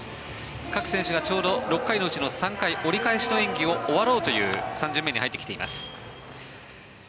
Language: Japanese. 各選手がちょうど６回のうちの３回折り返しの演技を終わろうという３巡目に入ってきています。